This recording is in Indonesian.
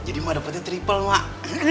jadi emak dapetnya triple mak